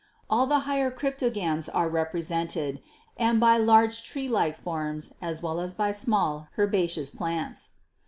All the higher Cryptogams 218 GEOLOGY are represented, and by large tree like forms as well as by small herbaceous plants."